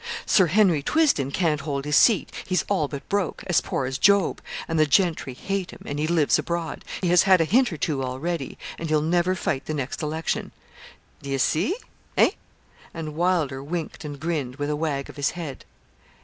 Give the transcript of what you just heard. Sir Henry Twisden can't hold his seat he's all but broke as poor as Job, and the gentry hate him, and he lives abroad. He has had a hint or two already, and he'll never fight the next election. D'ye see hey?' And Wylder winked and grinned, with a wag of his head.